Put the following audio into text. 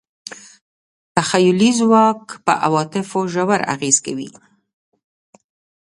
تخیلي ځواک په عواطفو ژور اغېز کوي.